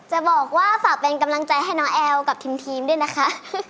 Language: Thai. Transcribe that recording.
จะบอกว่าฝากเป็นกำลังใจให้น้องแอลกับทีมด้วยนะคะ